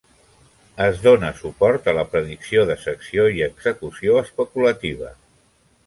Es dóna suport a la predicció de secció i execució especulativa.